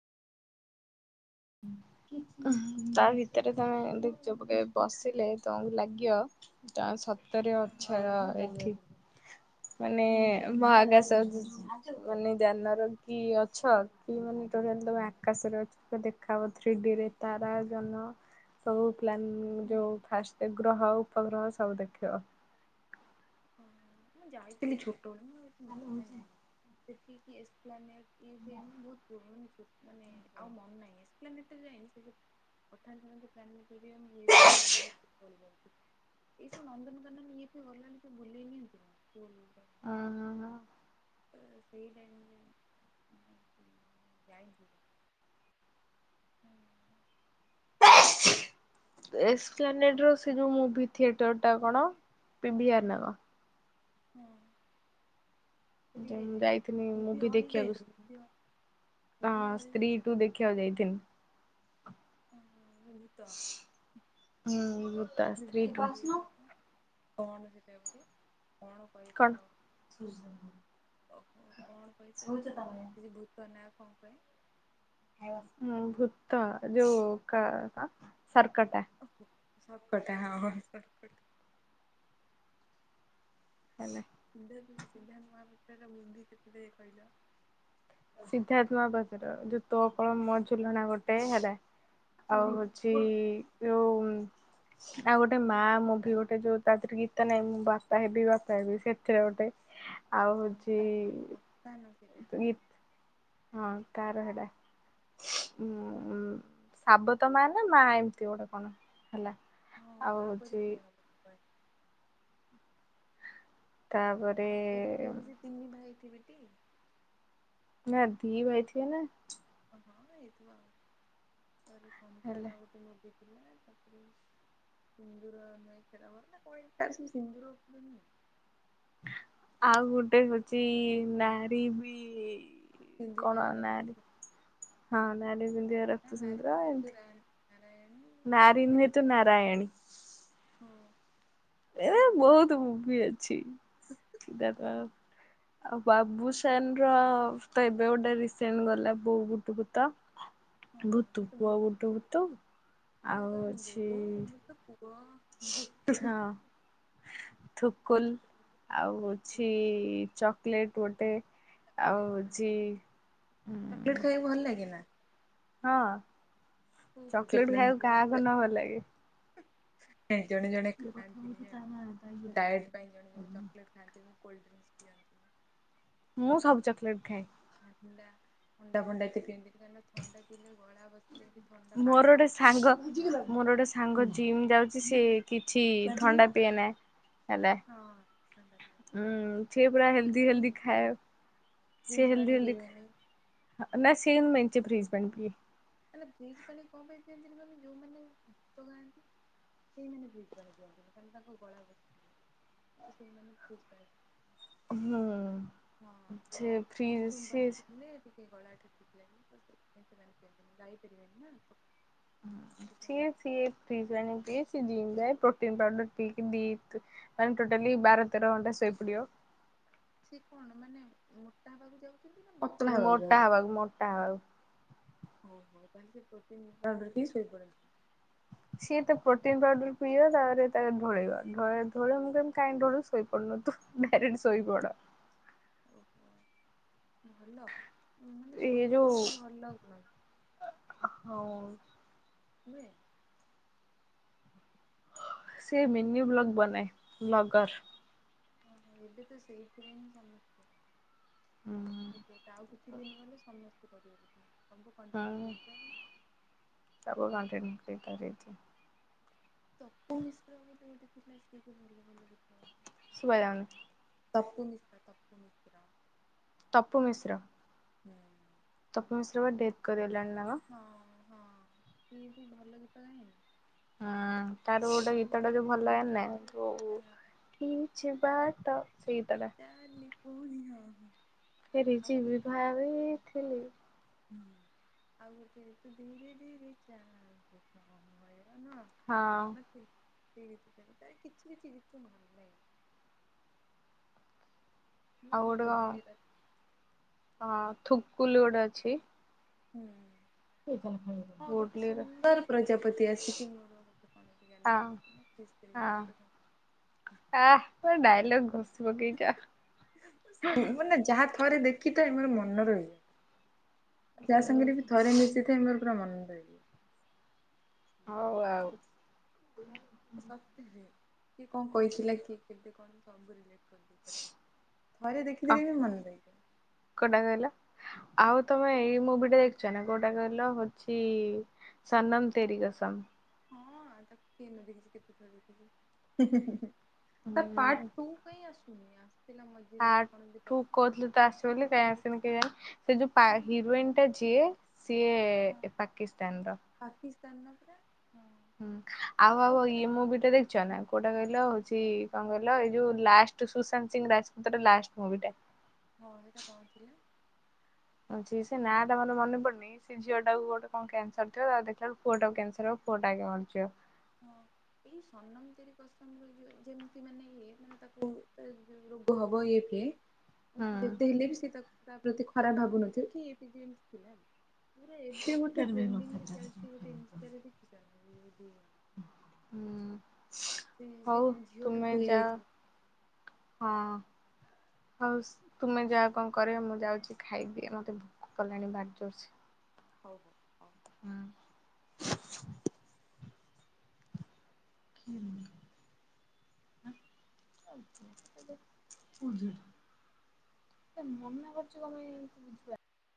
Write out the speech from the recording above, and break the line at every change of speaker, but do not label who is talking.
ତା ଭିତରେ ତମେ ଦି ଯୋଉ ପଟେ ବସିଲେ ତମକୁ ଲାଗିବ ତ ଶତରେ ଅଛ ଏଠି। ମାନେ ମକାଶ ମାନେ ଯାନର କି ଅଛ କି ମାନେ ଟୋଟାଲି ତମେ ଆକାଶରେ ଅଛ। କହିବ ଥ୍ରିଡିରେ ତାରା ଜହ୍ନ ସବୁ ପ୍ଲାନ୍ ଯୋଉ
ହଁ
ଫାଷ୍ଟ ଗ୍ରହ ପ୍ରହ ସବୁ ଦେଖିବ।
ମୁଁ ଯାଇଥିଲି ଛୋ ଟ ବେଳେ ମୋର ଆଉ ଏତେ ମନେ ନାହିଁ। ଯେତିକି ଏକ୍ସପ୍ଳାନଟେ ୟୁଫିଏମ୍ ବୋହୁତ ପୁରୁ ମାନେ ଆଉ ମନେ ନାହିଁ ଏ ସ ଏକ୍ସପ୍ଳାନେଟ ଯାଇନି ସେ ଯୋଉ ପଠାଣି ସାମନ୍ତ ପା ସେଇଟି ଆମେ [unintelligible] ଏଇ ସବୁ ନନ୍ଦନ କାନ୍ଦନ ଇଏ ଫଏ ଗଲା ବେଳକୁ ସେ ବୁଲେଇ ନିଅନ୍ତି ନା ହୁଁ।
ଅଂ ଅଂ ହଁ।
ସେଇଟା କିନ୍ତୁ ଯାଇଁ ହୁଁ।
[unintelligible]
ଆଉ
ପ୍ୟାନେଟ ର ସେ ଯୋଉ ମୁଭି। ଥିଏଟରଟା କଣ ପିବିଆର୍ ନା କଣ?
ହୁଁ।
ଯେ ମୁ ଯାଇଥିଲି ମୁଁଭି
ଯାଇଛ
ଦେଖିବାକୁ
ମୁଭି ମୁଭି
ହଁ
ହଲ୍
ସ୍ତ୍ରୀ
ଯାଇଛ?
ଟୁ ଦେଖିବାକୁ ଯାଇଥିଲି।
ହଁ ଭୂତ
ହୁଁ ମୁ ତା ସ୍ତ୍ରୀ
ଭୂତ
ଟୁ।
ଇଏ କଣ କଣ କହିବ କଣ କହି ତ
କଣ
କିଛି ଭୂତ ନାଁ କୁ। କ ପାଇଁ।
ହଁ ଭୂତ ଯୋଉ କା କଣ? ସର୍କଟା।
ସର୍କଟା ହଁ ହଁ ସର୍କଟା।
ହେଲା।
ସିଦ୍ଧ ସିନ୍ଧାନ୍ତ ମହାପାତ୍ର। ତା ମୁଭି କେତେ ଦେଖି କହିଲ?
ସିର୍ଦ୍ଧାତ ମହାପାତ୍ର ର। ତୋ କଣ
ହଁ
ମୋ ଝୁଲଣା ଗୋଟେ ହେଲା ଆଉ
ହଁ
ହଉଛି ଯୋଉ ଆଉ ଗୋଟେ ମା ମୁଭି ବି ଗୋଟେ ଯୋଉ ତା ଥିରେରେ ଗୀତ ନାଇଁ ମୁଁ ବାପା ହେବି ବାପା ହେବି ସେଥିରେ ଗୋଟେ
ସନ୍ତାନ ସନ୍ତାନ। ସେଟା
ତ ଗୀତ ହଁ ତାର ହେରା ହଁ ଶାବତ ମା ନା ମା ଏମତି ଗୋଟେ କଣ? ହେଲା
ହଁ
ଆଉ
ମା ପରି
ହଉଛି
କିଏ ହବ ମା
ତାପରେ
ହେଇ ଥିବେ ଟି।
ନା ଧି ଭାଇ ଥିବେ ନା।
ହଁ ହେଇ ଥିବ। ତାପରେ
ହେଲା
ସନ୍ତାନ ଗୋଟେ ମୁଭି। ତାପରେ ସିନ୍ଦୁର ନା କଣ ଗୁଡ଼ା ସିନ୍ଦୁର ଉପରେ ନୁହେଁ।
ଆଉ ଗୋଟେ ହଉଛି ନାରୀ ବି
ସିନ୍ଧି
କଣ
ପାରେ
ନାରୀ
ରକ୍ତ
ହଁ ନାରୀ ପିନ୍ଧିବ ରକ୍ତସୁନ୍ଦର
ନାରୀରାୟଣ
ଏମିତି
ନାରାୟଣୀ କଣ
ନାରୀ ନୁହେଁ ତୁ ନାରାୟଣୀ।
ହ।
ଏ ବହୁତ ମୁଭି ଅଛି ସିଦ୍ଧାନ୍ତ ଆଉ ବାବୁସାନ ର ତ ଏବେ ଗୋଟେ ରିସେଣ୍ଟ ଗଲା ବୋଉ ବୁଟୁ ଭୂତ।
ହଁ ସେ
ଭୂତୁ
ତ
ପୁଅ
ଭୂତ
ଗୋଟେ ଭୂତୁ
ସେ ଯୋଉ
ଆଉ
କହିବେନି
ଅଛି
ବୋଉ ମୋ ତ ପୁଅ ଭୁଟୁ ଚକଲେଟ
ହଁ ଥୁକୁଲ ଆଉ ଅଛି ଚକଲେଟ। ଆଉ ଗୋଟେ ଆଉ
ହଁ
ଜ
ଚକୋଲେଟ
ହୁଁ।
ଖାଇବାକୁ ଭଲ ଲାଗେ ନା
ହଁ।
କୋଉ କୋଉ
ଚକୋଲେଟ ଖାଇବାକୁ
ବ୍ଲାକ୍
କାହାକୁ ନ ଭଲ ଲାଗେ।
ଜଣେ ଜଣେ ଖାଆନ୍ତିନି ଡାଏଟ୍ ପାଇଁ ଜଣେ ଜଣେ ଚକୋଲେଟ୍ ଖାଆନ୍ତିନି। କୋଲଡ୍ରିଂକ୍ସ ପିଅନ୍ତି।
ମୁଁ ସବୁ ଚକଲେଟ ଖାଏ।
ଥଣ୍ଡା ଥଣ୍ଡା ଫଣ୍ଡା ପିାର ଥଣ୍ଡା ପିିଲ ଗଳା ବସିଯାଏ ଥଣ୍ଡା
ମୋର
ପାଣି
ଗୋଟେ ସାଙ୍ଗ,
ମାନେ ବି
ମୋର ଗୋଟେ ସାଙ୍ଗ ଜିମ୍ ଯାଉଛି ସେ କିଛି ଥଣ୍ଡା ପିଏ ନାହି। ହେଲେ
ହଁ ଥଣ୍ଡା
ହଁ
ପିଅନ୍ତିନି
ସେ ପୁରା
ଆଉ ଏଇ ଯୋଉ
ହେଲଦି
ଫ୍ରିଜ
ହେଲଦି ଖାଏ ସେ
ଫ୍ରିଜ ପାଣି
ହେଲି ହେଲି
ପିଇବେନି
ଖାଏ ନା ସେ ପ୍ରିଜି ପାଣି ପିଏ।
ମଲେ ବ୍ରିଜ୍ ପାଣି କଣ ପାଇଁ ଦିଅନ୍ତି। ମାନେ ଯୋଉମାନେ ଭୂତ ଗାଆନ୍ତି ସେଇମାନେ ବ୍ରିଜ୍ ପାଣି ଦିଅନ୍ତି। କାର ତାଙ୍କ ଗଳା ବସି ସେଇମାନେ୍ରିଜ ପାଣି ଦିଅନ୍ତି।
ହୁଁ।
ହଁ ତ
ସେ ଫ୍ରିଜ ସିଏ
ଉସୁମପଲେ ସେ ଗଳା ଠୁ ଠିଲଣି ସେ ସେମାନେ କେ ଗାଇ ପାରିବେନି ନା।
[unintelligible]
ସେଥିପାଇଁ
ପ୍ରୋଟିନ୍ ପାଉଡର ପିଇକି ଦି, ମାନେ ଟୋଟାଲି ବାର ତେର ଘଣ୍ଟା ଶୋଇ ପଡିବ।
ସେ କଣ ମାନେ ମୋଟା ହେବାକୁ ଯାଉ
ମୋଟା ହ ବାକୁ ମୋଟା ହ ବାକୁ।
ଓ ହୋ ତି ହୋଇ ପର୍ଯ୍ୟନ୍ତ
ସିଏ ତ ପ୍ରୋଟନ୍ ପାଉଡର ପିଏ ତାରେ ତା ଢଳେଇବା ଧଳି ମୁଁ କାଇହିଁ ଢଳ ଶୋଇ ପଡୁନ ତୁ ଡାଇକ୍ଟ ଶୋଇ ପଡ।
ଓହୋ ଭଲ ମାନେ
ଏଇ
ଶୋଇବା ଟା
ଯୋଉ
ଗୋଟେ ଭଲ ଲାଗୁନାହି।
ହଁ
ହୁ।
ସେ ମିନି ବ୍ଲଗ ବନାଏ ବ୍ଲଗର
ହ ଏଦ ତ ସେଦରେନ ସମ
ହୁଁ
ଆଉ କିଛି ଦିନ ଗଲେ ସମସ୍ତେ। କରିବେ ବୋଧେ ସବୁ
ହଁ
କଣ୍ଟିନ୍ୟୁ
ସବୁ କଣ୍ଠି ତାରଛି।
ତପୁ ମିଶ୍ର
ସୁଭାଇ ଯାଉନି।
ତକୁ ମିଶ୍ରା ତ ମିସ୍ତ୍ରା।
ତପୁ ମିଶ୍ର।
ହୁଁ।
ତପୁ ମିଶ୍ର ବା ଡଥ୍ କରିଗଲାଣି। ନା କଣ
ହଁ ହଁ ଏ ବି ଭଲ ଗୀତ ଗାଏନି?
ହଁ ତାର
ତୁ
ଗୋଟେ
ଧୀରେ
ଗୀତ ଟା ଯୋଉ
ତୁ
ଭଲ [inaudible] ନାହିଁ
ଧୀରେ
ଯୋଉ
ଚା
କିଛି ବାଟ ସେଇ ତାଳେ।
ଚାଲେ ପୁଣି ହଁ ହଁ।
ଉଡି
ଆଉ
ଯିବି
ଗୋଟେ
ଭାବୁଥିଲି
ହୁଁ, ଆଉ ଗୋଟେ ତୁ ଧୀରେ ଧୀରେ ଚାଲ୍ [inaudible] [inaudible]
ହଁ
ନା କିଏ? [inaudible] କିଛି କିଛି ଗୀତ ମନେ ନାହିଁ।
ଆଉ ଗୋଟେ କଣ, ହଁ। ଥୁକୁଲୁ ଗୋଟେ ଅଛି।
ହୁଁ। ହଁ ଗୋଟେ
ଗୁଡଲିର
ସୁନ୍ଦର ପ୍ରଜାପତି ଆସିକି ମୋର ଗୋଟେ କଣ ଏମିତି
ହଁ
ଗାଲରେ ବସିଲା କିସ୍ କରି [inaudible]
ହଁ
ଗୋଟେ କଣ
[inaudible] ପକେେଇଛ।
ମାନେ ଯାହା ଥରେ ଦେଖି ତ [inaudible] ମୋର ମନ ରହିଯା। [inaudible] ଯା ସାଙ୍ଗରେ ବି
ହଉ
ଥରେ ମିଶିଥାଏ ମୋର ପୁରା ମନ ଦେଇକି।
ହଉ ଆଉ
ସତରେ କିଏ କଣ କହିଥିଲା କି କେବେ କଣ [inaudible] ସବୁ। [inaudible] ଥରେ
ହଁ
ଦେଖିଦେଲେ ବି ମନ ରହିଯିବ।
କୋଉଟା କହିଲ ଆଉ ତମେ ଏଇ ମୁଭିଟା ଦେଖିଛ୍ ନା କୋଉଟା କହିଲ ହଉଛି ସନମ ତେରି କସମ।
ହଁଅ-ଅ ତାକୁ କିଏ ନ ଦେଖିଛି କେତେ ଥର ଦେଖିଛି। ତ ପାର୍ଟ
ହୁଁ
ଟୁ କାଇଁ ଆସୁ [inaudible]
ପାର୍ଟ ଟୁ କହୁଥିଲେ ତ ଆସିବ
ପକ୍ଷୀ
ବୋଲି କାଇଁ
ପକ୍ଷୀ
ଆସିନି କେଜାଣି ସେ ଯୋଉ ପା ହିରୋଇନଟା ଯିଏ ସିଏ-ଏ-ଏ ପାକିସ୍ତାନର।
ସ୍ତାନର ପରା। ହଁ।
ହୁଁ ଆଉ ଆଉ ଇଏ ମୁଭିଟା ଦେଖିଛ ନା କୋଉଟା କହିଲ ହଉଛି କଣ କହିଲ [inaudible] ଏଇ ଯୋଉ ଲାଷ୍ଟ ସୁଶାନ୍ତ ସିଂ ରାଜପୁତର ଲାଷ୍ଟ୍ ମୁଭିଟା।
ହଁ ସେଟା କଣ ଥିଲା?
ହଁ ଯେ ସେ ନାଁଆଟା ମୋର ମନେ ପଡୁନି ସେ ଝିଅଟାକୁ ଗୋଟେ କଣ କ୍ୟାନସର ଥିବ ତ ଦେଖିଲା ବେଳକୁ ପୁଅଟାକୁ କ୍ୟାନସର୍ ହବ ପୁଅଟା ଆଗେ ମରିଯିବ।
ହଁ ଏଇ ସନମ ତେରି କସମ ର ଯୋ ଯେମିତି ମାନେ ଇଏ ମାନେ ତାକୁ ରୋଗ ହବ ଏକେ
ହୁଁ
ଯେତେହେଲେ ବି ସେ ତାକୁ ତା ପ୍ରତି ଖରାପ ଭାବୁନଥିବ କି [inaudible] ପୁରା ଏବେ ଗୋଟେ ଟ୍ରେଣ୍ଡିଙ୍ଗରେ ଚାଲିଚି ଗୋଟେ ଇନଷ୍ଟାରେ ‌ଦେଖିଛ ନା?
ହୁଁ।
ସେ
ହଉ
ସେ
ତୁମେ
ଝିଅଟାକୁ ଇଏ
ଯାଅ
ହେଇଯାଇଥିଲା
ହଁ। ହଉ ତୁମେ ଯାଆ କଣ କର ମୁଁ ଯାଉଛି ଖାଇଦିଏ ମତେ ଭୋକ
ହଁ
କଲାଣି
ହଁ
ଭାରି ଜୋରସେ।
ହଉ ହଉ।
ହୁଁ।
ହଁ।
[unintelligible]